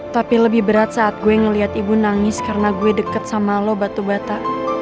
tapi lebih berat saat gue ngeliat ibu nangis karena gue deket sama lo batu bata